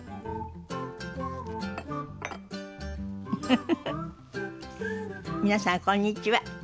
フフフフ皆さんこんにちは。